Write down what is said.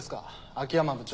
秋山部長。